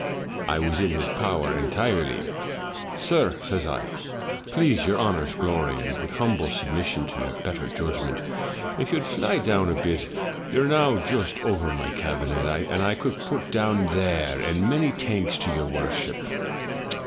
I was in his power entirely; *sir/ says I, 'please your honour's glory, and with humble submission to your better judg ment, if you'd fly down a bit, you're now just over my cabin, and I could be put down there, and many thanks to your worship.'